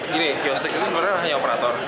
gini geostik itu sebenarnya hanya operator